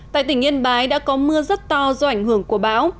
tại tỉnh yên bái đã có mưa rất to do ảnh hưởng của bão